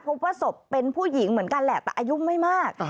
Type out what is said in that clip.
พบว่าศพเป็นผู้หญิงเหมือนกันแหละแต่อายุไม่มาก